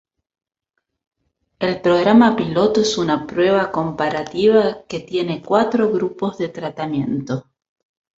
El programa piloto es una prueba comparativa que tiene cuatro grupos de tratamiento.